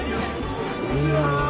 こんにちは！